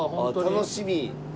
楽しみ。